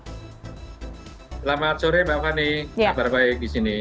selamat sore mbak fani kabar baik di sini